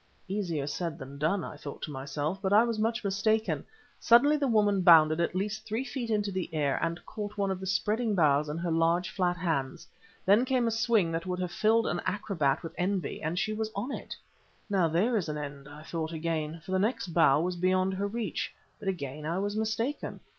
"Easier said than done," I thought to myself; but I was much mistaken. Suddenly the woman bounded at least three feet into the air and caught one of the spreading boughs in her large flat hands; then came a swing that would have filled an acrobat with envy—and she was on it. "Now there is an end," I thought again, for the next bough was beyond her reach. But again I was mistaken.